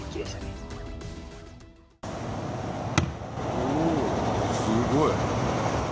おお、すごい。